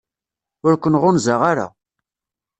Ur ken-ɣunzaɣ ara.